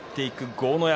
豪ノ山